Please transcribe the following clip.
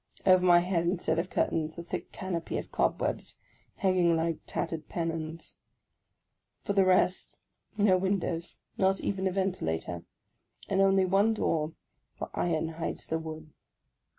Over my head, instead of curtains, a thick canopy of cob webs, hanging like tattered pennons. For the rest, no win dows, not even a ventilator; and only one door, where iron hides the wood.